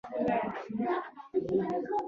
پاکستاني سرود ته د نه درېدو په جرم د